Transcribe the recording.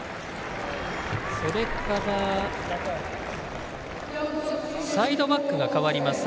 それから、サイドバックが代わります。